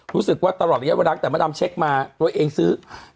รู้สึกว่าตลอดระยะวดังแต่มาดำเช็คมาตัวเองซื้อ๗๕๓ไง